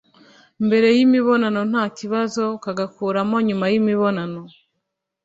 mbere y'imibonano nta kibazo, ukagakuramo nyuma y'imibonano